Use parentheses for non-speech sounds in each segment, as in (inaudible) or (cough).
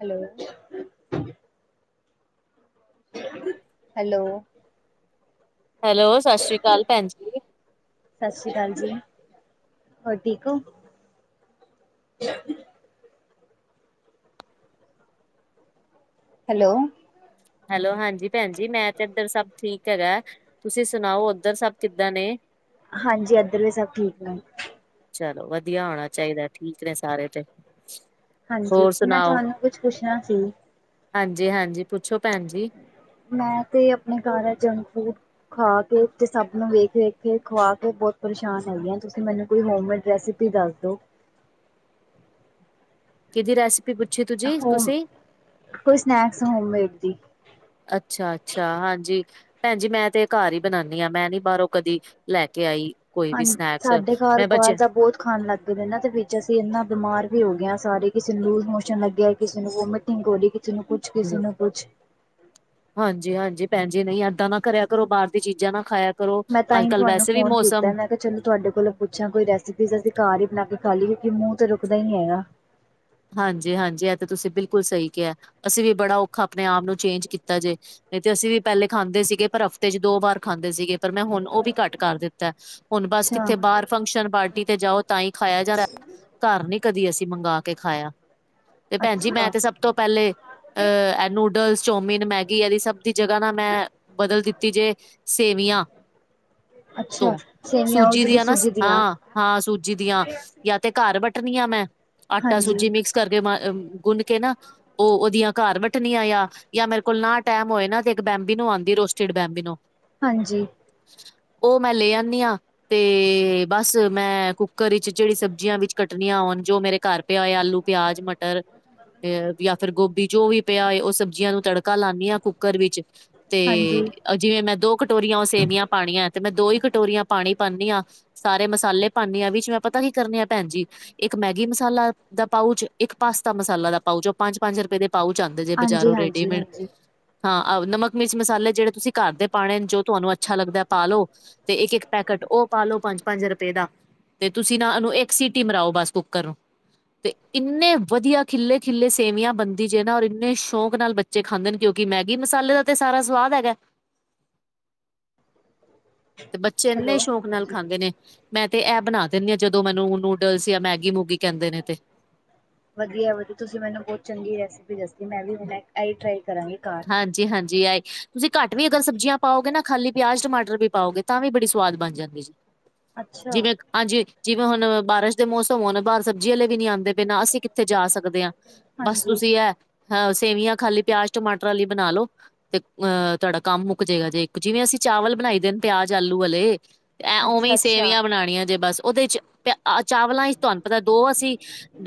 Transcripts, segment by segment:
Hello. Hello. Hello, ਸਤਿ ਸ਼੍ਰੀ ਕਾਲ ਭੈਣ ਜੀ। ਸਤਿ ਸ਼੍ਰੀ ਕਾਲ ਜੀ, ਹੋਰ ਠੀਕ ਓ? (unintelligible) ਹੈਲੋ। ਹੈਲੋ, ਹਾਂਜੀ ਭੈਣ ਜੀ ਮੈਂ ਤੇ ਏਧਰ ਸਭ ਠੀਕ ਹੈਗੈ, ਤੁਸੀਂ ਸੁਣਾਓ ਓਧਰ ਸਭ ਕਿੱਦਾਂ ਨੇ? ਹਾਂਜੀ, ਐਧਰ ਵੀ ਸਭ ਠੀਕ ਨੇ। ਚਲੋ ਵਧੀਆ ਹੋਣਾ ਚਾਈਦੈ, ਠੀਕ ਨੇ ਸਾਰੇ ਤੇ। ਹਾਂਜੀ ਹੋਰ ਮੈਂ ਸੁਣਾਓ, ਤੁਹਾਨੂੰ ਕੁਛ ਪੁੱਛਣਾ ਸੀ। ਹਾਂਜੀ-ਹਾਂਜੀ ਪੁੱਛੋ ਭੈਣ ਜੀ? ਮੈਂ, ਤੇ ਆਪਣੇ ਘਰ ਆ ਜੰਕ ਫੂਡ ਖਾ ਕੇ ਤੇ, ਸਭ ਨੂੰ ਵੇਖ-ਵੇਖ ਕੇ ਖੁਵਾ ਕੇ ਬੋਤ ਪਰੇਸ਼ਾਨ ਹੋ ਗਈ ਆਂ, ਤੁਸੀਂ ਮੈਨੂੰ ਕੋਈ ਹੋਮਮੇਡ ਰੈਸੀ ਰੇਸੀਪੀ ਦੱਸ ਦੋ। ਕਿਦੀ ਰੈਸੀ ਪੀ ਪੁੱਛੀ ਤੁ ਹੋਮ, ਕੋਈ ਸਨੈਕਸ ਹੋਮਮੇਡ ਦੀ। ਅੱਛਾ-ਅੱਛਾ ਹਾਂਜੀ ਭੈਣਜੀ ਮੈਂ ਤੇ ਘਰ ਈ ਬਣਾਨੀ ਆ, ਮੈਂ ਨੀ ਬਾਰੋਂ ਕਦੀ ਲੈ ਕੇ ਆਈ। ਕੋਈ ਵੀ ਹਾਂਜੀ, ਸਨੈਕਸ ਸਾਡੇ ਘਰ ਮੈਂ ਬਾਰ ਬੱਚੇ ਦਾ ਬਹੁਤ ਖਾਣ ਲੱਗ ਏਨਾਂ ਦੇ, ਵਿੱਚ ਅਸੀਂ ਇੰਨਾ ਬਿਮਾਰ ਵੀ ਹੋ ਗਏ ਸਾਰੇ, ਕਿਸੇ ਨੂੰ ਲੂਜ ਮੋਸ਼ਨ ਲੱਗਿਆ, ਕਿਸੇ ਨੂੰ ਵੋਮੀਟਿੰਗ ਹੋਰੀ ਕਿਸੇ ਨੂੰ ਕੁੱਛ, ਕਿਸੇ ਨੂੰ ਕੁੱਛ। ਹਾਂਜੀ-ਹਾਂਜੀ ਭੈਣਜੀ, ਨਈ ਏਦਾਂ ਨਾ ਕਰਿਆ ਕਰੋ, ਬਾਹਰ ਦੀ ਚੀਜ਼ਾਂ ਨਾ ਖਾਇਆ ਕਰੋ, ਮੈਂ ਤਾਂ ਅੱਜ ਹੀ ਕੱਲ੍ਹ, ਤੁਹਾਨੂੰ ਵੈਸੇ ਵੀ ਫੋਨ ਕੀਤਾ ਮੌਸਮ। ਮੈਂ ਕਿਹਾ ਚਲੋ, ਤੁਹਾਡੇ ਕੋਲੋਂ ਪੁੱਛਾਂ ਕੋਈ ਰੈਸਪੀਜ਼, ਅਸੀਂ ਘਰ ਹੀ ਬਣਾ ਕੇ ਖਾ ਲਈ ਏ, ਕਿਉਂਕਿ ਮੂੰਹ ਤੇ ਰੁਕਦਾ ਹੀ ਨੀ ਹੈਗਾ। ਹਾਂਜੀ, ਹਾਂਜੀ, ਇਹ ਤਾਂ ਤੁਸੀਂ ਬਿਲਕੁਲ ਸਹੀ ਕਿਹਾ, ਅਸੀਂ ਵੀ ਬੜਾ ਔਖਾ, ਆਪਣੇ ਆਪ ਨੂੰ, ਚੇਂਜ ਕੀਤਾ ਜੇ। ਨਹੀਂ ਤੇ ਅਸੀਂ ਵੀ ਪਹਿਲੇ ਖਾਂਦੇ ਸੀਗੇ, ਪਰ ਹਫ਼ਤੇ ਚ ਦੋ ਵਾਰ ਖਾਂਦੇ ਸੀਗੇ। ਪਰ ਮੈਂ ਹੁਣ, ਉਹ ਵੀ ਘੱਟ ਕਰ ਦਿੱਤਾ, ਹੁਣ ਬਸ, ਅੱਛਾ, ਕਿੱਥੇ ਬਾਹਰ। ਫੰਕਸ਼ਨ ਪਾਰਟੀ ਤੇ ਜਾਓ, ਤਾਂ ਹੀ ਖਾਇਆ ਜਾ ਰਿਯਾ, ਘਰ ਨੀ ਕਦੀ, ਅਸੀਂ ਮੰਗਵਾ ਕੇ ਖਾਇਆ। ਤੇ, ਭੈਣ ਜੀ, ਮੈਂ ਅੱਛਾ, ਤੇ ਸਭ ਤੋਂ ਪਹਿਲੇ ਅਹ, ਨੂਡਲਸ, ਚੋਮਿਨ ਮੈਗੀ, ਇਹਦੀ ਸਭ ਦੀ ਜਗ੍ਹਾ ਨਾ, ਮੈਂ ਬਦਲ ਦਿੱਤੀ ਜੇ ਸੇਵੀਆਂ। ਅੱਛਾ ਤੋਂ, ਸੇਵੀਆਂ ਉਹ ਸੂਜੀ ਜਿਹੜੀ ਦੀਆਂ ਨਾ, ਸੂਜੀ ਦੀਆਂ ਹਾਂ ਹਾਂ, ਸੂਜੀ ਦੀਆਂ। ਨਾ, ਤੇ ਘਰ ਵੱਟਣੀ ਆ ਮੈਂ। ਆਟਾ ਹਾਂਜੀ, ਸੂਜੀ ਮਿਕਸ ਕਰਕੇ ਮ ਗੁੰਨ ਕੇ ਨਾ, ਉਹ ਉਹਦੀਆਂ ਘਰ ਵੱਟਣੀਆਂ ਆ। ਜਾਂ ਮੇਰੇ ਕੋਲ ਨਾ ਟੈਮ ਹੋਏ ਨਾ। ਤੇ ਇੱਕ ਬੈਂਬੀ ਨੂੰ ਆਉਂਦੀ ਰੋਸਟਡ ਬਬੀ ਨੂੰ ਹਾਂਜੀ, ਉਹ, ਮੈਂ ਲੈ ਆਦੀ, ਆਾਂ। ਤੇ ਬਸ, ਮੈਂ ਕੁੱਕਰ ਵਿੱਚ ਜਿਹੜੀ ਸਬਜ਼ੀਆਂ, ਵਿੱਚ ਕੱਟਣੀਆਂ ਆਉਣ ਜੋ ਮੇਰੇ ਘਰ, ਪਿਆ ਹੋਏ, ਆਲੂ, ਪਿਆਜ, ਮਟਰ, ਅ ਜਾਂ ਫਿਰ, ਗੋਭੀ ਜੋ, ਵੀ ਪਿਆ ਹੋਏ ਉਹ ਸਬਜ਼ੀਆਂ ਨੂੰ ਤੜਕਾ ਹਿਲਾਨੀ ਆ, ਹਾਂ ਕੁੱਕਰ ਵਿੱਚ ਤੇ ਹਾਂਜੀ, ਜਿਵੇਂ ਮੈਂ, ਦੋ ਕਟੋਰੀਆਂ, ਸੇਵੀਆਂ ਪਾਉਣੀਆਂ ਤੇ, ਮੈਂ ਦੋ ਹੀ ਕਟੋਰੀਆਂ ਪਾਣੀ ਪਾਉਂਦੀ ਹਾਂ। ਸਾਰੇ ਮਸਾਲੇ ਪਾਉਦੇ ਆਾਂ ਵੀਚ ਮੈਂ ਪਤਾ ਕੀ ਕਰਨੇ ਆ ਭੈ, ਣ ਜੀ, ਇੱਕ, ਮੈਗੀ ਮਸਾਲਾ ਦਾ ਪਾਊਚ ਇੱਕ ਪਾਸਤਾ ਮਸਾਲਾ ਦਾ ਪਾਊਚ ਓ ਪੰਜ-ਪੰਜ ਰੁਪਏ ਦੇ ਪਾਊਚ ਆਂਦੇ ਜੇ ਹਾਂਜੀ, ਬਜ਼ਾਰੋਂ ਰੇਡੀਮੇਡ। ਹਾਂਜੀ ਹਾਂ ਆਹ ਨਮਕ ਮਿਰਚ ਮਸਾਲੇ ਜੇੜ੍ਹੇ ਤੁਸੀਂ ਘਰ ਦੇ ਪਾਣੇ ਜੋ ਤੁਹਾਨੂੰ ਅੱਛਾ ਲੱਗਦਾ ਪਾਲੋ। ਤੇ ਇੱਕ-ਇੱਕ ਪੈਕੇਟ ਓ ਪਾ ਲੋ ਪੰਜ-ਪੰਜ ਰੁਪਏ ਦਾ। ਤੇ ਤੁਸੀਂ ਨਾ ਓਨੂੰ ਇੱਕ ਸੀਟੀ ਮਰਾਓ ਬਸ ਕੁੱਕਰ ਨੂੰ। ਤੇ ਇੰਨੇ ਵਧੀਆ ਖਿੱਲੇ-ਖਿਲੇ ਸੇਵੀਆਂ ਬੰਦੀ ਜੇ ਨਾ ਔਰ ਇੰਨੇ ਸ਼ੌਕ ਨਾਲ ਬੱ ਜੇ ਖਾਂਦੇਣ ਕਿਉਂਕਿ, ਮੈਗੀ ਮਸਾਲੇ, ਦਾ ਤੇ ਸਾਰਾ ਸਵਾਦ ਹੈਗਾ। ਤੇ, ਬੱਚੇ ਇੰਨੇ, ਹੈਲੋ ਸ਼ੌਕ ਨਾਲ ਹਾਂਜੀ ਖਾਂਦੇ, ਨੇ ਮੈਂ, ਤੇ ਇਹ ਬਣਾ ਦਿੰਦੀ ਹਾਂ, ਜਦੋਂ ਮੈਨੂੰ, ਨੂਡਲਸ, ਜਾਂ, ਮੈਗੀ, ਮੂਗੀ ਕਹਿੰਦੇ ਨੇ ਤੇ, ਵਧੀਆ ਵਧੀਆ, ਤੁਸੀਂ ਮੈਨੂੰ ਬਹੁਤ ਚੰਗੀ ਰੈਸਿਪੀ ਦ ਮੈਂ ਵੀ ਹੁਣ ਇ ਟਰਾਈ ਕਰਾਂਗੀ। ਘਰ। ਹਾਂਜੀ ਹਾਂਜੀ, ਆਏ ਤੁਸੀਂ ਘੱਟ ਵੀ ਅਗਰ ਸਬਜ਼ੀਆਂ ਪਾਓਗੇ ਨਾ ਖਾਲੀ, ਪਿਆਜ, ਟਾਟਰ, ਵੀ ਪਾਓਗੇ, ਤਾਂ ਵੀ ਬੜੀ ਸਵਾਦ ਬਣ ਜਾਂਦੀ ਜੀ। ਅੱਛਾ, ਜਿਵੇਂ, ਹਾਂਜੀ, ਜਿਵੇਂ ਹੁਣ ਬਾਰਿਸ਼ ਦੇ ਮੌਸਮ ਹੋਣ ਬਾਹਰ ਸਬਜ਼ੀ ਵਾਲੇ ਵੀ ਨ ਆਉਂਦੇ। ਬਿਨਾਂ ਅਸੀਂ ਕਿੱਥੇ ਜਾ ਸਕਦੇ ਹਾਂ। ਬਸ ਹਾਂਜੀ, ਤੁਸੀਂ ਹੈ। ਹਹ ਸੇਵੀਆਂ ਖਾਲੀ ਪਿਆਜ‌। ਟਮਾਟਰ, ਵਾਲੀ ਬਣਾ, ਲੋ ਤੇ ਅਹ ਤੁਹਾਡਾ ਕੰਮ ਮੁੱਕ ਜਾਏਗਾ, ਜੇ ਇੱਕ ਜਿਵੇਂ, ਅਸੀਂ ਚਾਵਲ ਬਣਾਈ ਦੇਨ ਪਿਆਜ ਆਲੂ ਵਾਲੇ ਐ ਉਵੇਂ ਅੱਛਾ, ਹੀ, ਅੱਛਾ, ਸੇਵੀਆਂ ਬਣਾਉਣੀਆਂ ਜੇ, ਬਸ, ਉਹਦੇ ਚ ਪਹ ਚਾਵਲਾਂ ਚ ਤੁਹਾਨੂੰ ਪਤਾ ਦੋ, ਅਸੀਂ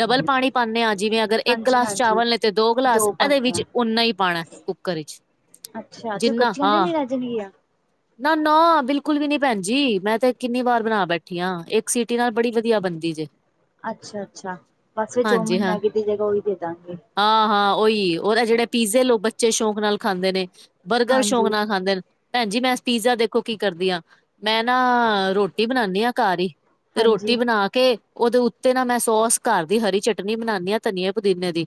ਡਬਲ ਪਾਣੀ ਪਾਉਦੇ ਹਾਂ ਅਗਰ, ਇੱਕ ਹਾਂਜੀ, ਗਲਾਸ ਹਾਂਜੀ। ਚਾਵਲ ਨੇ ਤੇ ਦੋ ਗਲਾਸ, ਇਹਦੇ ਪਾਉਂਦੇ ਵਿੱਚ ਆ ਉਨਾ ਹੀ। ਪਾਉਣਾ ਕੁੱਕਰ ਵਿੱਚ ਅੱਛਾ, ਤੇ ਜਿੰਨਾ ਕੱਚਿਆਂ ਦੇ ਹਾਂ ਨੀ ਰਜਣ ਆ। ਨਾ ਨਾ, ਬਿਲਕੁਲ ਵੀ ਨੀ, ਭੈਣ ਜੀ, ਮੈਂ ਤੇ ਕਿੰਨੀ ਵਾਰ ਬਣਾ ਬੈਠੀ ਹਾਂ, ਇੱਕ ਸਿਟੀ ਨਾਲ ਬੜੀ ਵਧੀਆ ਬਣਦੀ ਸੀ। ਜੇ ਅੱਛਾ ਅੱਛਾ ਬਸ ਫਿਰ ਹਾਂਜੀ ਜੋਮਿਨ ਹਾਂ ਮੈਗੀ ਦੀ ਜਗ੍ਹਾ ਉਹੀ ਦੇ ਦਾਂਗੇ ਹਾਂ ਹਾਂ, ਉਹੀ ਉਹਦਾ ਜਿਹੜੇ, ਪੀਜ਼ੇ ਲੋਕ, ਬੱਚੇ ਸ਼ੌਕ ਨਾਲ ਖਾਂਦੇ ਨੇ, ਬਰਗਰ, ਸ਼ੌਕ ਹਾਂਜੀ। ਨਾਲ ਖਾਂਦੇ ਨੇ, ਭੈਣ ਜਜੀ, ਮੈਂ ਪੀਜ਼ਾ ਦੇਖੋ ਕੀ ਕਰਦੀ ਆ। ਮੈਂ ਨਾ ਰੋਟੀ ਬਣਾਉਂਦੀ ਹਾਂ ਘਰ ਹੀ। ਤੇ, ਹਾਂਜੀ, ਰੋਟੀ ਬਣਾ ਕੇ, ਉਹਦੇ ਉੱਤੇ ਨਾ, ਮੈਂ ਸੋਸ ਘਰ ਦੀ ਹਰੀ ਚਟਨੀ ਬਣਾਉਦੀ ਹਾਂ, ਧਨੀਆ ਪੁਦੀਨੇ ਦੀ।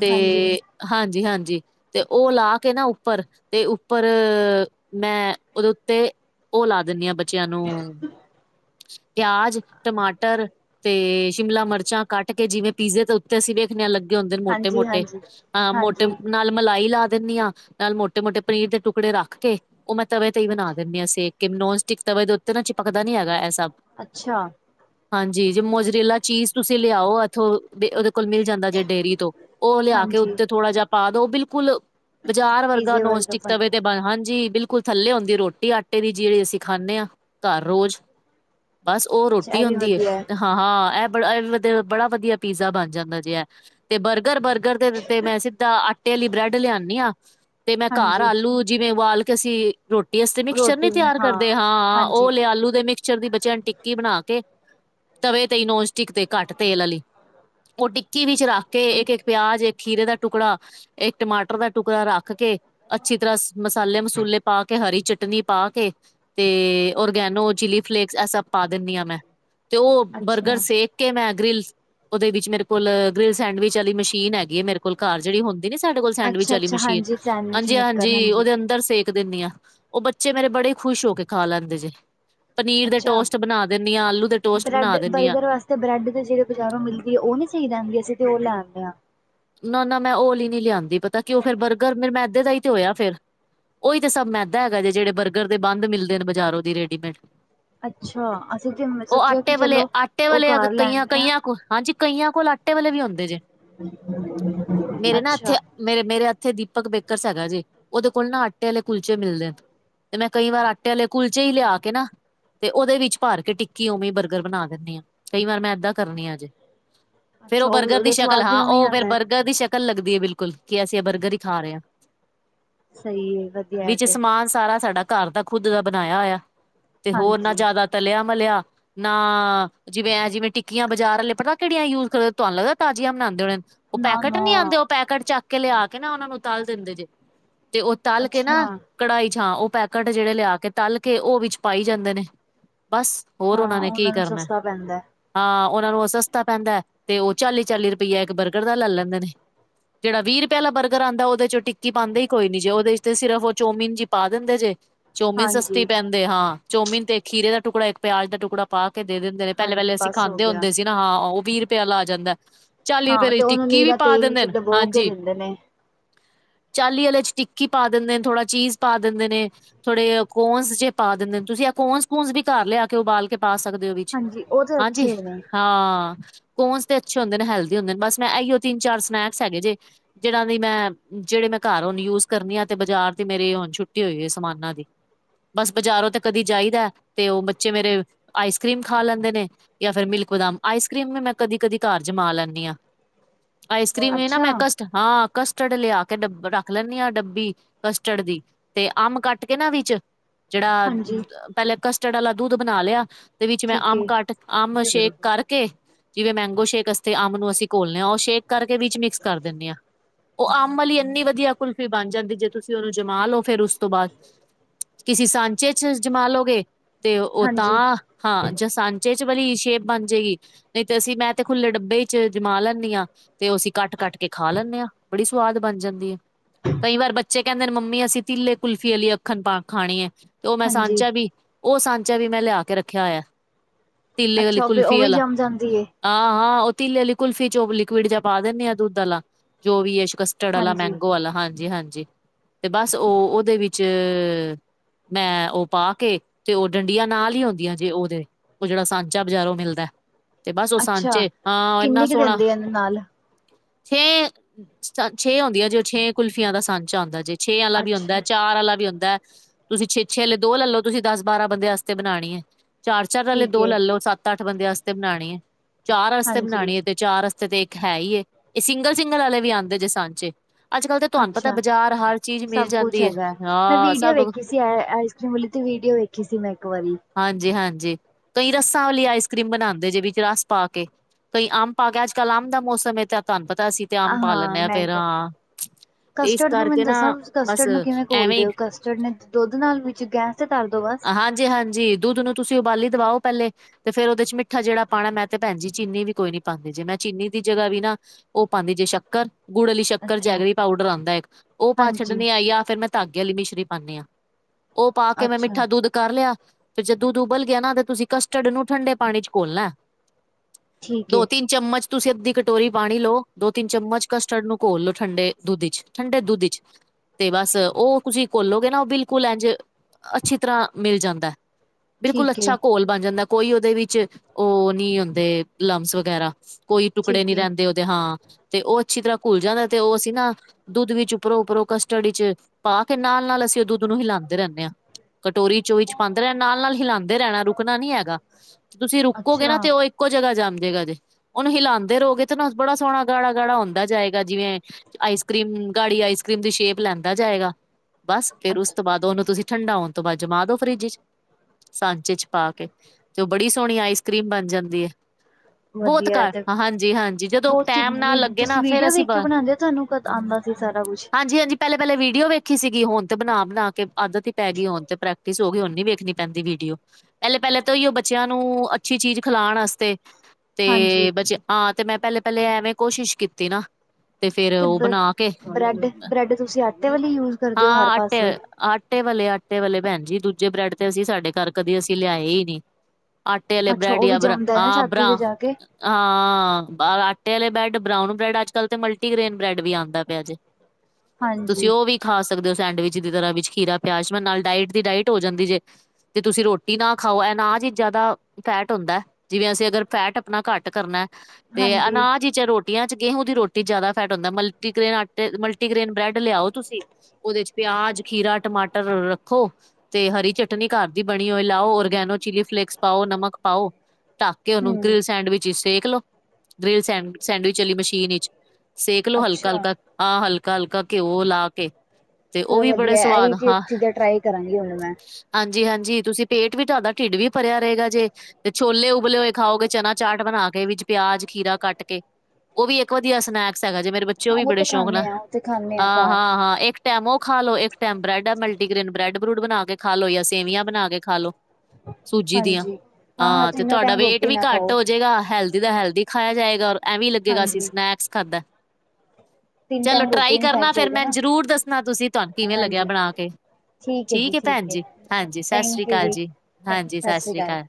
ਤੇ, ਹਾਂਜੀ, ਹਾਂਜੀ ਹਾਂਜੀ, ਤੇ ਉਹ ਲਾ ਕੇ ਨਾ, ਉੱਪਰ ਤੇ ਉੱਪਰ ਮੈਂ। ਉਹਦੇ ਉੱਤੇ ਉਹ ਲਾ ਦਿੰਦੀ ਹ, ਬੱਚਿਆਂ, ਨੂੰ ਪਿਆਜ, ਟਮਾਟਰ, ਤੇ ਸ਼ਿਮਲਾ ਮਿਰਚਾਂ, ਕੱਟ ਕੇ ਜਿਵੇਂ, ਪੀਜ਼ੇ ਤੋਂ ਤੇ ਅਸੀਂ ਵੇਖਣੇ ਹਾਂ ਲੱਗੇ ਹੁੰਦੇ ਨੇ ਮੋਟੇ ਹਾਂਜੀ, ਮੋਟੇ ਹਾਂਜੀ, ਹਾਂ ਮੋਟੇ ਹਾਂਜੀ। ਨਾਲ ਮਲਾਈ ਲਾ ਦਿੰਦੀ ਹਾਂ। ਨਾਲ ਮੋਟੇ ਮੋਟੇ, ਪਨੀਰ ਦੇ ਟੁਕੜੇ, ਰੱਖ ਕੇ, ਉਹ ਮੈਂ ਤਵੇ ਤੇ ਹੀ ਅੱਛ ਬਣਾ ਦਿੰਹ, ਅਸੀਂ ਨੋਨ ਸਟਿਕ ਤਵੇ ਦੇ, ਉੱਤੇ ਨਾ ਚਿਪਕਦਾ ਨੀ ਹੈਗਾ, ਇਹ ਸਭ। ਅੱਛਾ, ਹਾਂਜੀ। ਜੇ ਮੋਜਰੇਲਾ ਚੀਜ਼ ਤੁਸੀਂ ਲਿਆਓ ਇੱਥੋਂ ਦੇ ਉਹਦੇ ਕੋਲ ਮਿਲ ਜਾਂਦਾ ਜੇ ਡੇਅਰੀ ਤੋਂ, ਉਹ ਲਿਆ ਕੇ ਹਾਂਜੀ ਉੱਤੇ ਥੋੜਾ ਜਿਹਾ ਪਾਦੋ ਉਹ ਬਿਲਕੁਲ ਬਜ਼ਾਰ ਵਰਗਾ ਪੀਜ਼ੇ ਨੋਨਸਟਿਕ ਤਵੇ ਬਣਦਾ। ਤੇ। ਹਾਂਜੀ, ਬਿਲਕੁਲ ਥੱਲੇ ਹਉਂਦੀ ਰੋਟੀ ਆਟੇ ਦੀ ਜਿਹੜੀ ਅਸੀਂ ਖਾਂਦੇ ਹਾਂ। ਘਰ ਰੋਜ਼ ਬਸ ਉਹ ਅੱਛਾ ਇਹ ਰੋਟੀ ਵੀ ਹੁੰਦੀ। ਵਧੀਆ ਹੈ ਹਾਂ, ਹਾਂ ਇਹ ਬੜਾ ਇਹ ਬੜਾ ਵਧੀਆ ਪੀਜ਼ਾ ਬਣ ਜਾਂਦਾ ਜੇ ਹੈ, ਤੇ ਬਰਗਰ, ਬਰਗਰ ਤੇ ਮੈਂ ਸਿੱਧਾ ਆਟੇ ਵਾਲੀ ਬ੍ਰੈਡ ਲਿਆਦੀ ਹਾਂ, ਤੇ ਮੈਂ ਘਰ ਹਾਂਜੀ ਆਲੂ ਜਿਵੇਂ ਉ ਅਸੀ ਰੋਟੀ ਵਾਸਤੇ ਮਿਕਸਚਰ ਨੀ ਰੋਟੀ ਵੀ ਤਿਆਰ ਹਾਂ ਕਰਦੇ ਹਾਂ ਹਾਂਜੀ। ਉਹ ਲ ਆਲੂ ਦੇ ਮਿਕ- ਜਲਦੀ ਬਚਿਆਂ ਨੂੰ ਟਿੱਕੀ ਬਣਾ ਕੇ ਤਵੇ ਤੇ ਨੋਨ ਸਟਿਕ ਤੇ ਘੱਟ ਤੇਲ ਵਾਲੀ- ਉਹ ਟਿੱਕੀ ਵਿਚ ਰੱਖ ਕੇ ਇਕ- ਇਕ ਪਿਆਜ ਇਕ- ਖੀਰੇ ਦਾ ਟੁਕੜਾ ਇਕ ਟਮਾਟਰ ਦਾ ਟੁਕੜਾ ਰੱਖ ਕੇ ਅਛੀ ਤਰ੍ਹਾਂ ਮਸਾਲੇ ਮਸ- ਛੋਲੇ ਪਾ ਕੇ ਹਰੀ ਚਟਨੀ ਪਾ ਕੇ- ਤੇ ਔਰਗੈਨੋ ਚਿਲੀ ਫਲੇਕ ਇਹ ਸਭ ਪਾ ਦਿੰਦੀ ਹ ਮੈ ਤੇ ਉਹ ਬਰਗਰ ਅੱਛਾ, ਸੇਕ- ਕਿ ਮੈ ਗ੍ਰਿਲ, ਉਹਦੇ ਵਿਚ ਮੇਰੇ ਕੋਲ ਗ੍ਰਿਲ ਸੈਂਡਵਿਚ ਵਾਲੀ ਮਸ਼ੀਨ ਹੈਗੀ ਏ, ਮੇਰੇ ਕੋਲ ਘਰ ਜਿਹੜੀ ਹੁੰਦੀ- ਕਿੰਨੀ, ਸਾਡੇ ਕੋਲ ਸੈਂਡਵਿਚ ਵਾਲੀ ਅੱਛਾ-ਅੱਛਾ ਮਸ਼ੀਨ, ਹਾਂਜੀ ਸੈਂਡਵਿਚ ਹਾਂਜੀ- ਮੇਕਰ ਹਾਂਜੀ ਉਹਦੇ ਅੰ- ਅਦਰ ਸੇਕ ਦਿੰਦੀ ਹਾਂ, ਉਹ ਬੱਚੇ ਮੇਰੇ, ਬੜੇ ਖੁਸ਼ ਹੋ ਕੇ ਖਾ ਲੈਂਦੇ ਜੇ- ਪਨੀਰ ਦੇ, ਅੱਛਾ। ਟੋਸਟ ਬਣਾ ਦਿੰਨੀ ਆ, ਆਲੂ ਦੇ ਟੋਸਟ ਬਣਾ ਦਿੰਨੀ ਆ ਤੇ ਬ੍ਰੈਡ ਤੇ ਜਿਹੜੇ ਬਜ਼ਾਰੋਂ ਮਿਲਦੀ, ਆ। ਉਹ ਨਹੀਂ ਸਹੀ ਰਹਿਦੀ, ਅਸੀਂ ਤੇ ਉਹ ਲੈੈਂਦੇ ਹਾਂ। ਨਾ -ਨਾ ਮੈਂ ਓਲੀ ਹੀ ਨੀ ਲਿਆਂਉਂਦੀ। ਪਤਾ ਕਿਉਂ, ਫੇਰ ਬਰਗਰ, ਮੈਂੱਦੇ ਦਾ ਹੀ ਤੇ ਹੋਇਆ ਫ਼ਿਰ ਉਹੀ ਤਾਂ ਸਭ ਮਹਿੰਦਾ ਹੈਗਾ,। ਜੇ ਜਿਹੜੇ ਬਰਗਰ ਦੇ ਬੰਦ ਮਿਲਦੇ ਨੇ, ਬਜ਼ਾਰੋਂ ਦੀ। ਰੈਡੀਮੇਟ ਅੱਛਾ ਅਸੀਂ ਤੇ ਉਹ, ਸੋਚਿਆ ਕਿ ਆਟੇ ਵਾਲੇ ਚਲੋ -ਆਟੇ ਉਹ ਵਾਲੇ ਘਰ ਲੈ ਕਈਆਂ ਆਨੇ ਆ। -ਕਈਆਂ ਕੋਲ, ਹਾਂਜੀ ਕਈਆਂ ਕੋਲ ਆਟੇ ਵਾਲੇ ਵੀ ਹੋਂਦੇ ਜੇ। (unintelligible) ਅੱਛਾ। ਮੇਰੇ- ਮੇਰੇ ਇੱਥੇ ਦੀਪਕ ਬੇਕਰਸ ਹੈਗਾ ਜੀ, ਉਹਦੇ ਕੋਲ ਨਾ ਆਟੇ ਵਾਲੇ ਕੁਲਚੇ ਮਿਲਦੇ। ਤੇ ਮੈਂ ਕਈ ਵਾਰ ਆਟੇ ਵਾਲੇ ਕੁਲਚੇ ਹੀ ਲਿਆ ਕੇ ਨਾ ਤੇ ਉਹਦੇ ਵਿੱਚ ਭਰ ਕੇ ਟਿੱਕੀ ਉਵੇਂ ਬਰਗਰ ਬਣਾ ਦਿੰਦੀ ਹਾਂ, ਕਈ ਵਾਰ ਮੈਂ ਏਦਾਂ ਕਰਨੀ ਆ ਅਜੇ। ਫਿਰ ਅੱਛਾ ਉਹ ਵੀ ਬਰਗਰ ਦੀ ਉਹਦਾ ਸ਼ਕਲ ਸਵਾਦ ਵੀ ਹਾਂ, ਉਵੇਂ ਉਹ ਫਿਰ ਆਂਦਾ ਐ। ਬਰਗਰ ਦੀ ਸ਼ਕਲ ਲੱਗਦੀ ਹੈ, ਬਿਲਕੁਲ ਕਿ ਅਸੀਂ ਇਹ ਬਰਗਰ ਹੀ ਖਾ ਰਹੇ ਹਾਂ। ਸਹੀ ਏ ਵਧੀਆ ਐ ਵਿੱਚ ਤੇ ਸਮਾਨ ਸਾਰਾ ਸਾਡਾ ਘਰ ਦਾ ਖੁੱਦ ਦਾ ਬਣਾਇਆ ਹੋਇਆ, ਤੇ ਹੋਰ ਨਾ ਹਾਂਜੀ, ਜ਼ਿਆਦਾ ਤਲਿਆ ਮਲਿਆ ਨਾ ਜਿਵੇ- ਜਿਵੇ ਟਿੱਕੀਆਂ ਬਾਜ਼ਾਰ ਵਾਲੇ, ਕਿਹੜੀਆਂ ਯੂਜ ਕਰੇ, ਤੁਹਾਨੂੰ ਲੱਗਦੇ ਤਾਜੀਆਂ ਬਨਾਦੇ ਹੋ ਨੇ- ਉਹ ਪੈਕਟ ਨਾ-ਨਾ ਨਈ ਆਦੇ, ਉਹ ਪੈਕਟ ਚੱਕ ਕੇ ਲਿਆ ਕੇ ਨਾ, ਉਹਨਾ ਨੂੰ ਤਲ ਦਿੰਦੇ ਜੇ- ਤੇ ਉਹ, ਤਲ ਕੇ ਅੱਛਾ, ਨਾ- ਕੜਾਈ ਚ', ਉਹ ਪੈਕਟ ਜਿਹੜੇ ਲਿਆ ਕੇ ਤਲ ਕੇ, ਉਹ ਵਿਚ ਪਾਈ ਜਾਦੇ, ਨੇ ਬਸ- ਹੋਰ, ਹਾਂ ਉਹਨਾ ਨੇ ਕੀ ਉਹਨਾਂ ਨੂੰ ਕਰਨਾ- ਸਸਤਾ ਪੈਂਦਾ ਐ। ਹਾਂ, ਉਹਨਾਂ ਨੂੰ, ਉਹ ਸਸਤਾ ਪੈਦਾ, ਤੇ ਉਹ ਚਾਲੀ -ਚਾਲੀ ਰੁਪਈਆ ਇਕ ਬਰਗਰ ਦਾ ਲੈ ਲੈਦੇ ਨੇ ਜਿਹੜਾ, ਵੀਹ ਰੁਪਏ ਵਾਲਾ ਬਰਗਰ ਆਉਦਾ ਉਹਦੇ ਚੋਂ ਟਿਕੀ ਪਾਦੈ ਕੋਈ ਨਈ ਜੇ, ਉਹਦੇ 'ਚ ਤੇ ਸਿਰਫ ਉਹ ਚੋਮਮੀਨ, ਜ ਹੀ ਪਾ ਦਿੰਦੇ ਜੇ ਚੋਮਮੀਨ ਸਸਤੀ ਹਾਂਜੀ, ਪੈਂਦੇ ਹਾਂ, ਚੋਮੀਨ, ਤੇ ਇਕ ਖੀਰੇ ਦਾ ਟੁਕੜਾ, ਇਕ ਪਿਆਜ ਦਾ ਟੁਕੜਾ ਪਾ ਕੇ ਦੇ ਦ ਹੁੰਦੇ ਨੇ, ਪਹਿਲੇ- ਹਾਂਜੀ ਪਹਿਲੇ ਅਸੀ ਬਸ ਹੋ ਖਾਂਦੇ ਗਿਆ। ਹੁੰਦੇ ਸੀ। ਨਾ, ਹਾਂ ਉਹ ਵੀਹ ਰੁਪਇਆ ਆ ਜਾਦਾ ਚਾਲੀ ਹਾਂ ਰੁਪਏ ਲਈ ਤੇ ਉਹਨੂੰ ਟਿੱਕੀ ਵੀ, ਨੀਰਾ ਪਾ ਤੇਲ ਦਿੰਦੇ ਚ ਨੇ ਡਬੋ ਕੇ ਹਾਂਜੀ ਦਿੰਦੇ ਨੇ। ਚਾਲੀ ਵਾਲੇ ਚ, ਟਿੱਕੀ ਪਾ ਦਿੰਦੇ ਨੇ, ਥੋੜਾ ਚੀਜ਼ ਪਾ ਦਿੰਦੇ ਨੇ ਥੋੜੇ, ਅ ਕੋਨਸ ਜੇ ਪਾ ਦਿੰਦੇ ਨੇ, ਤੁਸੀਂ ਆ ਕੋਨਸ- ਕੂਨਸ ਵੀ ਘਰ ਲਿਆ ਕੇ ਉਬਾਲ ਕੇ- ਪਾ ਸਕਦੇ ਹੋ ਵਿਚ, ਹਾਂਜੀ ਉਹ ਤੇ ਰੱਖੇ ਹਾਂਜੀ ਹੋਏ ਨੇ, ਹਾਂ, ਕੋਨਸ ਤੇ ਅੱਛੇ ਹੁੰਦੇ ਨੇ ਹੈਲਦੀ, ਹੁੰਦੇ ਨੇ ਬਸ- ਮੈਂ ਇਹੀਓ, ਤਿੰਨ ਚਾਰ ਸਨੈਕਸ ਹੈਗੇ ਜੇ ਜਿਹੜਾ ਦੀ ਮੈ ਜਿਹੜੇ ਮੈ ਘਰ, ਹ ਯੂਜ ਕਰਨੀ ਆ ਤੇ ਬਾਜਾਰ ਦੀ ਮੇਰੀ ਹੁਣ, ਛੁੱਟੀ ਹੋਈ ਸਮਾਨਾਂ ਦੀ ਬਸ, ਬਾਜਾਰੋ ਤੇ ਕਦੀ ਜਾਈਦਾ, ਤੇ ਉਹ ਬੱਚੇ ਮੇਰੇ ਆਈਸਕਰੀਮ, ਖਾ ਲੈਂਦੇ ਨੇ ਜਾਂ ਫੇਰ, ਮਿਲਕ ਬਦਾਮ, ਆਈਸਕਰ੍ਰੀਮ ਵੀ ਮੈ ਕਦੀ -ਕਦੀ ਘਰ ਜਮਾ ਲੈਦੀ ਆ ਆਈਸਕ੍ਰੀਮ ਵੀ ਨਾ ਅੱਛਾ ਮੈ, ਕਸ ਹਾਂ ਕਸਟਰਡ ਲਿਆ ਕੇ ਰਖ ਲੈਂਦੀ ਹਾਂ, ਡੱਬੀ ਕਸਟਰਡ ਦੀ ਤੇ ਅੰਮ ਕੱਟ ਕੇ ਨਾ ਵਿਚ, ਜਿਹੜਾ ਹਾਂਜੀ ਪਹਿਲੇ ਕਸਟਡ ਵਾਲਾ ਦੁੱਧ ਬਣਾ ਲਿਆ। ਦੇ ਵਿਚ ਮੈ ਠੀਕ ਅਮ ਏ। ਕੱਟ ਆਮ ਸ਼ੇਕ ਕਰਕੇ ਜਿਵੇ ਮੈਂਗੋ ਸ਼ੇਕ ਅਸਤੇ ਆਮ ਨੂੰ ਅਸੀ ਘੋਲਨੇ ਆ, ਉਹ ਸ਼ੇਕ ਕਰਕੇ ਵੀ ਮਿਕਸ, ਕਰ ਦਿੰਨੇ ਆ। ਉਹ ਆਮ ਵਾਲੀ, ਇਨੀ ਵਧੀਆ ਕੁਲਫ਼ੀ ਬਣ ਜਾਂਦੀ, ਜੇ, ਤੁਸੀ ਉਹਨੂੰ ਜਮਾ ਲਓ, ਫੇਰ ਉਸ ਤੋ ਬਾਅਦ ਕਿਸੀ ਸਾਂਚੇ 'ਚ, ਜਮਾਂ ਲਉ ਗੇ ਤੇ ਉਹ ਹਾਂਜੀ, ਤਾਂ ਹਾਂ ਜੇ ਸਾਂਚੇ 'ਚ ਵਲੀ ਸ਼ੇਪ ਬਣ ਜੇ ਗੀ ਨਈ ਤੇ ਮੈਂ, ਤੇ ਖੁੱਲੇ ਡੱਬੇ 'ਚ ਜਮਾ ਲੈਂਨੀ ਆ, ਤੇ ਉ ਅਸੀਂ ਕੱਟ---ਕੱਟ ਕੇ ਖਾ ਲੈਂਨੇ ਆ, ਬੜੀ ਸਵਾਦ ਬਣ ਜਾਂਦੀ ਏ। ਕਈ ਵਾਰ ਬੱਚੇ ਕਹਿੰਦੇ ਨੇ, ਮੰਮੀ ਅਸੀਂ ਤੀਲੇ ਕੁਲਫੀ ਵਾਲੀ ਖਾਣੀ ਏ‌। ਤੋਂ ਸਾਂਚਾ ਉਹ ਹਾਂਜੀ ਸਾਂਚਾ ਵੀ ਉਹ ਸਾਂਚਾ ਵੀ, ਮੈਂ ਲਿਆ ਕੇ ਰੱਖਿਆ ਹੋਇਆ। ਤੀਲੇ, ਵਾਲੀ ਅੱਛਾ ਉਹ ਫੇਰ ਕੁਲਫੀ ਉਵੇਂ ਆਲਾ। ਜੰਮ ਜਾਂਦੀ ਏ, ਹਾਂ-ਹਾਂ ਉਹ ਤੀਲੇ ਵਾਲੀ ਕੁਲਫੀ 'ਚ ਉਹ ਲਿਕੁਿਡ ਜਿਹਾ ਪਾ ਦੀ ਨੇ ਆ ਦੁੱਧ ਆਲਾ, ਜੋ ਵੀ ਏ ਸ਼ ਟੜ ਆਲਾ, ਹਾਂਜੀ। ਮੈਂਗੋ ਆਲਾ, ਹਾਂਜੀ-ਹਾਂਜੀ ਤੇ ਬਸ ਉਹ ਉਹਦੇ ਵਿੱਚ ਮੈਂ ਉਹ ਪਾ ਕੇ ਤੇ, ਉਹ ਡੰਡੀਆਂ ਨਾਲ, ਈ ਹੁੰਦੀਆਂ ਜੇ ਉਹ, ਜਿਹੜਾ ਸਾਂਚਾ ਬਜ਼ਾਰੋ ਮਿਲਦਾ, ਤੇ ਬਸ ਉਹ ਅੱਛਾ, ਸਾਂਚੇ ਹਾਂ ਇਨਾ ਕਿੰਨੀ ਕੁ ਦਿੰਦੇ ਆ ਇਹਦੇ ਨਾਲ? ਛੇ, ਛੇ ਹੁੰਦੀਆਂ ਜੇ, ਛੇ ਕੁਲਫੀਆਂ ਦਾ ਸਾਂਚਾ, ਹੁੰਦਾ ਜੇ। ਛੇ, ਆਲਾ ਵੀ ਹੁੰਦਾ, ਅੱਛਾ ਚਾਰ ਵਾਲਾ ਵੀ ਹੁੰਦਾ, ਐ। ਤੁਸੀਂ ਛੇ-ਛੇ ਆਲੇ ਦੋ ਲੈ -ਲੋ ਤੁਸੀਂ ਦਸ ਬਾਰਾਂ ਬੰਦੇ ਵਾਸਤੇ ਬਣਾਨੀ ਐ ਚਾਰ-ਚਾਰ ਵਾਲੇ ਠੀਕ ਦੋ ਏ, ਲੈ- ਲੋ ਸੱਤ ਸੱਤ, ਅੱਠ ਬੰਦਿਆ ਵਾਸਤੇ ਬਣਾਣੀ ਐ ਚਾਰ ਵਾਸਤੇ ਹਾਂਜੀ ਬਣਾਣੀ ਐ ਤੇ ਚਾਰ ਵਾਸਤੇ ਤੇ ਇੱਕ ਹੈ ਹੀ ਏ, ਇਹ ਸਿੰਗਲ-ਸਿੰਗਲ ਆਲੇ ਵੀ, ਆਂਦੇ ਜੇ ਸਾਂਚੇ। ਅੱਜ-ਕੱਲ੍ਹ ਤਾਂ ਤੁਹਾਨੂੰ ਪਤਾ, ਅੱਛਾ। ਬਜ਼ਾਰ ਹਰ ਚੀਜ਼ ਮਿਲ ਸਭ ਕੁਛ ਜਾਂਦੀ ਏ, ਹਾਂ ਸਭ ਫੋਨ ਤੇ, ਵੀਡੀਓ ਵੇਖੀ ਸੀ, ਮੈ ਇਕ ਵਾਰੀ- ਹਾਂਜੀ -ਹਾਂਜੀ ਕਈ ਰੱਸਾਂ ਵਾਲੀ, ਆਈਸਕ੍ਰੀਮ ਬਣਾਦੇ ਜੇ ਵਿਚ ਰਸ ਪਾ ਕੇ ਕਈ ਅੰ ਪਾ ਕੇ, ਅਜ -ਕਲ ਅੰਬ ਦਾ ਮੌਸਮ ਹੈ। ਤੇ ਤੁਹਾਨੂੰ ਪਤਾ ਅਸੀ ਤੇ ਅੰਬ ਪਾ ਲੈ ਨੇ ਹਾਂ, ਫੇਰ ਹਾਂ ਤੇ ਇਸ ਕਸਟਰਡ ਨੂੰ ਮੈ ਕਰਕੇ ਦੱਸਾਂ, ਨਾ ਬਸ ਕਸਟਰਡ ਨੂੰ ਕਿਵੇਂ ਐਵੇਂ ਘੋਲਦੇ ਓ, ਕਸਟਰਡ ਨੇ ਦੁੱਧ ਨਾਲ ਵਿੱਚ ਗੈਸ ਧੰਨ ਦੋ ਬਸ ਹਾਂਜੀ-ਹਾਂਜੀ ਦੁੱਧ ਨੂੰ ਤੁਸੀਂ ਉਬਾਲੀ ਦਵਾਓ ਪਹਿਲੇ। ਤੇ ਫਿਰ ਉਹਦੇ 'ਚ ਮਿੱਠਾ ਜਿਹੜਾ ਪਾਣਾ ਮੈਂ ਤੇ ਭੈਣ ਜੀ ਚੀਨੀ ਵੀ ਕੋਈ ਨੀ ਪਾਂਦੇ ਜੇ ਮੈਂ ਚੀਨੀ ਦੀ ਜਗ੍ਹਾ ਵੀ ਨਾ ਉਹ ਪਾਂਦੀ ਜੇ ਸ਼ੱਕਰ। ਗੁੜ ਵਾਲੀ ਸ਼ੱਕਰ ਅੱਛਾ ਜੈਗਰੀ ਪਾਊਡਰ ਆਂਦਾ ਇੱਕ ਉਹ ਪਾ ਹਾਂਜੀ ਛੱਡਣੀ ਆ ਜਾ ਫਿਰ ਮੈਂ ਧਾਗੇ ਵਾਲੀ ਮਿਸ਼ਰੀ ਪਾਣੀ ਆ। ਉਹ ਪਾ ਕੇ ਮੈਂ ਅੱਛਾ ਮਿੱਠਾ ਦੁੱਧ ਕਰ ਲਿਆ ਫਿਰ ਜੇ ਦੁੱਧ ਉਬਲ ਗਿਆ ਨਾ ਤੇ ਤੁਸੀਂ ਕਸਟਰਡ ਨੂੰ ਠੰਡੇ ਪਾਣੀ 'ਚ ਘੋਲਣਾ। ਠੀਕ ਏ ਦੋ, ਤਿੰਨ ਚਮਚ ਤੁਸੀਂ ਅੱਧੀ ਕਟੋਰੀ ਪਾਣੀ ਲੋ ਦੋ, ਤਿੰਨ ਚਮਚ ਕਸਟਰਡ ਨੂੰ ਘੋਲ ਲੋ ਠੰਡੇ ਦੁੱਧ ਵਿਚ ਠੰਡੇ ਦੁੱਧ ਵਿਚ। ਤੇ ਬਸ ਉਹ ਤੁਸੀਂ ਘੋਲੋਗੇ ਨਾ ਉਹ ਬਿਲਕੁਲ ਇੰਝ ਅੱਛੀ ਤਰ੍ਹਾਂ ਮਿਲ ਜਾਂਦਾ। ਬਿਲਕੁਲ ਠੀਕ ਏ ਅੱਛਾ ਘੋਲ ਬਣ ਜਾਂਦਾ ਕੋਈ ਉਹਦੇ ਵਿੱਚ ਉਹ ਨੀ ਹੁੰਦੇ ਲੰਗਸ ਵਗੈਰਾ। ਕੋਈ ਟੁਕੜੇ ਠੀਕ ਨੀ ਏ ਰਹਿੰਦੇ ਉਹਦੇ ਹਾਂ ਤੇ ਉਹ ਅੱਛੀ ਤਰ੍ਹਾਂ ਘੁਲ ਜਾਂਦਾ ਤੇ ਉਹ ਅਸੀਂ ਨਾ ਦੁੱਧ ਵਿੱਚ ਉੱਪਰੋਂ-ਉੱਪਰੋਂ ਕਸਟਰਡ ਵਿਚ ਪਾ ਕੇ ਨਾਲ-ਨਾਲ ਅਸੀਂ ਉਹ ਦੁੱਧ ਨੂੰ ਹਿਲਾਂਦੇ ਰਹਿੰਦੇ ਆ। ਕਟੋਰੀ ਚੋਰੀ 'ਚ ਪਾਂਦੇ ਰਹਿਣਾ ਨਾਲ-ਨਾਲ ਹਿਲਾਂਦੇ ਰਹਿਣਾ ਰੁਕਣਾ ਨੀ ਹੈਗਾ ਤੁਸੀਂ ਰੁਕੋਗੇ ਨਾ ਅੱਛਾ ਤੇ ਉਹ ਇੱਕ ਇੱਕੋ ਜਗਾ ਜੰਮ ਜਾਏਗਾ ਜੇ ਉਹਨੂੰ ਹਲਾਂਦੇ ਰਹੋਗੇ ਤੇ ਨਾ ਬੜਾ ਸੋਹਣਾ ਗਾੜਾ-ਗਾੜਾ ਹੁੰਦਾ ਜਾਏਗਾ ਜਿਵੇਂ ਆਈਸ ਕਰ੍ਰੀਮ ਗਾੜੀ ਆਈਸ ਕਰ੍ਰੀਮ ਦੀ ਸ਼ੇਪ ਲੈਂਦਾ ਜਾਏਗਾ ਬਸ ਫਿਰ ਉਸ ਅੱਛ ਤੋਂ ਬਾਅਦ ਉਹਨੂੰ ਤੁਸੀਂ ਠੰਡਾ ਹੋਣ ਤੋਂ ਬਾਅਦ ਜਮਾ ਦੋ ਫਰਿਜ 'ਚ। ਸਾਂਚੇ 'ਚ ਪਾ ਕੇ ਤੇ ਉਹ ਬੜੀ ਸੋਹਣੀ ਆਈਸ ਕਰ੍ਰੀਮ ਬਣ ਜਾਂਦੀ ਹੈ। ਬਹੁਤ ਵਧੀਆ ਘਰ ਤੇ, ਹਾਂਜੀ ਹਾਂਜੀ ਜਦੋਂ ਹੋਰ ਟੈਮ ਚੀਜ਼ ਨਾ ਲੱਗੇ ਨਾ ਤੁਸੀਂ ਫੇਰ ਵੀਡੀਓ ਅਸੀਂ ਵੇਖ ਬ ਕੇ ਬਣਾਂਦੇ ਓ ਤੁਹਾਨੂੰ ਪਰ ਆਂਦਾ ਤੇ ਸਾਰਾ ਕੁਛ ਪਹਿਲੇ-ਪਹਿਲੇ ਵੀਡੀਓ ਵੇਖੀ ਸੀਗੀ ਹੁਣ ਤੇ ਬਣਾ-ਬਣਾ ਕੇ ਆਦਤ ਈ ਪੈ ਗਈ ਹੁਣ ਤੇ ਪ੍ਰੈਕ ਪ੍ਰੈਕਟਿਸ ਹੋਗੀ ਹੁਣ ਨੀ ਵੇਖਣੀ ਪੈਂਦੀ ਵੀਡੀਓ ਪਹਿਲੇ-ਪਹਿਲੇ ਤੋਂ ਈ ਉਹ ਬੱਚਿਆਂ ਨੂੰ ਅੱਛੀ ਚੀਜ਼ ਖਿਲਾਣ ਵਾਸਤੇ ਹਾਂਜੀ ਤੇ ਬਚੇ ਹਾਂ ਤੇ ਮੈਂ ਪਹਿਲੇ-ਪਹਿਲੇ ਐਵੇਂ ਕੋਸ਼ਿਸ਼ ਕੀਤੀ ਨਾ। ਤੇ ਫਿਰ ਉਹ ਬਣਾ ਕੇ ਬ੍ਰੈਡ ਬ੍ਰੈਡ ਤੁਸੀਂ ਆਟੇ ਵਾਲੀ ਯੂਜ ਕਰਦੇ ਹੋ ਹਰ ਹਾਂ ਆਟੇ ਪਾਸੇ ਆਟੇ ਵਾਲੇ ਆਟੇ ਵਾਲੇ ਭੈਣ ਜੀ ਦੂਜੇ ਬ੍ਰੈਡ ਤੇ ਅਸੀਂ ਸਾਡੇ ਘਰ ਕਦੀ ਅਸੀਂ ਲਿਆਏ ਈ ਨੀ। ਆਟੇ ਆਲੇ ਅੱਛਾ ਬ੍ਰੈਡ (unintelligible) ਉਹ ਵੀ ਜੰਮਦਾ ਹੈ ਨਾ ਛਾਤੀ ਤੇ ਜਾ ਕੇ ਹਾਂ, ਆਟੇ ਆਲੇ ਬ੍ਰੈਡ, ਬਰਾਉਨ ਬ੍ਰੈਡ, ਅੱਜ ਕੱਲ ਤੇ ਮਲਟੀਗ੍ਰੇਨ ਬ੍ਰੈਡ ਵੀ ਆਉਂਦਾ ਪਿਆ ਜੇ। ਤੁਸੀਂ ਹਾਂਜੀ, ਉਹ ਵੀ ਖਾ ਸਕਦੇ ਹੋ ਸੈਂਡਵਿਚ ਦੀ ਤਰ੍ਹਾਂ, ਵਿੱਚ ਖੀਰਾ ਪਿਆਜ ਨਾਲ ਡਾਇਟ ਦੀ ਡਾਇਟ ਹੋ ਜਾਂਦੀ ਜੇ। ਤੇ ਤੁਸੀਂ ਰੋਟੀ ਨਾ ਖਾਓ, ਇਹ ਨਾ ਜੀ ਜ਼ਿਆਦਾ ਫੈਟ ਹੁੰਦਾ ਜਿਵੇਂ ਅਸੀਂ ਅਗਰ ਫੈਟ ਆਪਣਾ ਘੱਟ ਕਰਨਾ ਤੇ ਹਾਂਜੀ ਅਨਾਜ ਰੋਟੀਆਂ ਚ ਗੇਹੂੰ ਦੀ ਰੋਟੀ ਜ਼ਿਆਦਾ ਫੈਟ ਹੁੰਦਾ, ਮਲਟੀਗ੍ਰੇਨ ਆਟੇ ਮਲਟੀਗ੍ਰੇਨ ਬ੍ਰੈਡ ਲਿਆਓ ਤੁਸੀਂ। ਉਹਦੇ ਚ ਪਿਆਜ, ਖੀਰਾ, ਟਮਾਟਰ ਰੱਖੋ। ਤੇ ਹਰੀ ਚਟਨੀ ਘਰ ਦੀ ਬਣੀ ਹੋਏ ਲਾਓ, ਔਰਗੈਨੋ ਚਿਲੀ ਫਲੇਕਸ ਪਾਓ, ਨਮਕ ਪਾਓ। ਢੱਕ ਕੇ ਉਹਨੂੰ, ਹੂੰ ਗ੍ਰੀਲ ਸੈਂਡਵਿਚ ਸੇਕ ਲੋ। ਗ੍ਰਿੱਲ ਸੈਂ ਸੈਂਡਵਿਚ ਵਾਲੀ ਮਸ਼ੀਨ ਵਿਚ, ਸੇਕ ਲੋ ਹਲਕਾ ਅੱਛਾ ਹਲਕਾ। ਹਾਂ, ਹਲਕਾ ਹਲਕਾ ਘਿਓ ਲਾ ਕੇ। ਤੇ ਉਹ ਚਲੋ ਵੀ ਬੜੇ ਵਧੀਆ, ਸਵਾਦ ਇਹੀ ਹਾਂ ਚੀਜ਼ਾਂ ਟਰਾਈ ਕਰਾਂਗੀ, ਹੁਣ ਮੈਂ ਹਾਂਜੀ-ਹਾਂਜੀ, ਤੁਸੀਂ ਪੇਟ ਵੀ ਤੁਹਾਡਾ ਢਿੱਡ ਵੀ ਭਰਿਆ ਰਹੇਗਾ ਜੇ ਤੇ ਛੋਲੇ ਉਬਲੇ ਹੋਏ ਖਾਓਗੇ, ਚਨਾ ਚਾਟ ਬਣਾ ਕੇ ਵਿੱਚ ਪਿਆਜ ਖੀਰਾ ਕੱਟ ਕੇ ਉਹ ਵੀ ਇੱਕ ਵਧੀਆ ਸਨੈਕਸ ਹੈਗਾ ਜੇ, ਮੇਰੇ ਬੱਚੇ ਉਹ ਹਾਂ ਵੀ ਬੜੇ ਤੇ ਸ਼ੌਕ ਨਾ ਖਾਂਦੇ ਹਾਂ ਉਹ ਤੇ ਖਾਂਦੇ ਹਾਂ ਘਰ ਹਾਂ-ਹਾਂ-ਹਾਂ, ਇੱਕ ਇੱਕ ਟੈਮ ਓਹ ਖਾ ਲੋ ਇੱਕ ਟੈਮ ਬ੍ਰੈਡ ਆ ਮਲਟੀਗ੍ਰੇਨ ਬ੍ਰੈਡ ਬਰੂਡ ਬਣਾ ਕੇ ਖਾ ਲੋ, ਜਾਂ ਸੇਵੀਆਂ ਬਣਾ ਕੇ ਖਾ ਲੋ ਸੂਜੀ ਦੀਆਂ ਹਾਂਜੀ ਹਾਂ ਤੇ ਤਿੰਨੋ ਤੁਹਾਡਾ ਟਾਈਮ ਵੇਟ ਰੋਟੀ ਵੀ ਨਾ ਘੱਟ ਖਾਓ ਹੋ ਜਾਏਗਾ ਹੈਲਥ ਜਿਹਦਾ ਹੈਲਦੀ ਖਾਇਆ ਜਾਏਗਾ ਐਵੀ ਲੱਗੇਗਾ ਅਸੀਂ ਹਾਂਜੀ ਸਨੈਕਸ ਖਾਦਾ। ਤਿੰਨ ਚਲੋ ਟਾਈਮ ਰੋਟੀ ਟਰਾਈ ਨਹੀਂ ਖਾਣੀ ਕਰਨਾ ਫਿਰ ਚਾਹੀਦੀ ਮੈਂ ਨਾ ਜ਼ਰੂਰ ਦੱਸਣਾ ਤੁਸੀਂ ਤੁਹਾਨੂੰ ਕਿਵੇਂ ਲੱਗਿਆ ਹਾਂਜੀ ਬਣਾ ਕੇ। ਠੀਕ ਏ ਭੈਣ ਜੀ ਹਾਂਜੀ ਸਤਿ ਸ਼੍ਰੀ ਅਕਾਲ ਜੀ ਹਾਂਜੀ ਸਤਿ ਸ਼੍ਰੀ ਅਕਾਲ।